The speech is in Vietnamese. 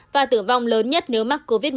và tử vong lớn nhất nếu mắc covid một mươi chín